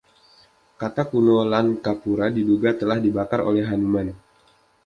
Kota kuno Lankapura diduga telah dibakar oleh Hanuman.